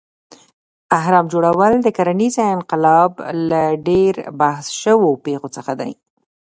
اهرام جوړول د کرنیز انقلاب له ډېر بحث شوو پېښو څخه دی.